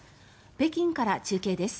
北京から中継です。